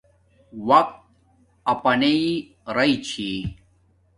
وقت اپانݵ راݵ چھی